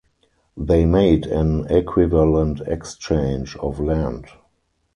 They made an equivalent exchange of land.